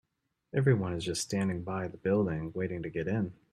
Everyone is just standing by the building, waiting to get in.